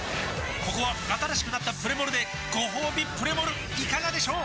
ここは新しくなったプレモルでごほうびプレモルいかがでしょう？